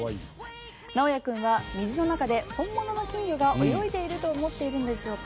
直哉君は水の中で本物の金魚が泳いでいると思っているのでしょうか。